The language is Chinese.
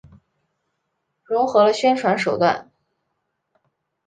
融合了宣传手段。